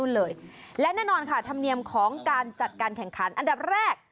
เลยและแน่นอนค่ะธรรมเนียมของการจัดการแข่งขันอันดับแรก